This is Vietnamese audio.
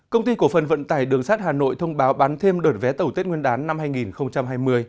công ty cổ phần vận tải đường sắt hà nội thông báo bán thêm đợt vé tàu tết nguyên đán năm hai nghìn hai mươi